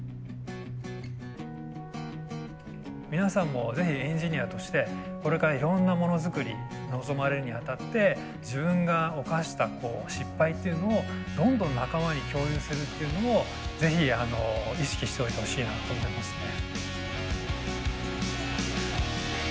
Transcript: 皆さんもぜひエンジニアとしてこれからいろんなものづくり臨まれるにあたって自分が犯した失敗っていうのをどんどん仲間に共有するっていうのもぜひ意識しておいてほしいなと思いますね。